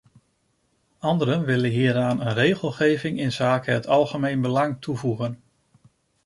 Anderen wilden hieraan een regelgeving inzake het algemeen belang toevoegen.